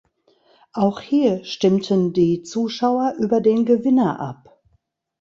Auch hier stimmten die Zuschauer über den Gewinner ab.